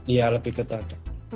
iya lebih ketat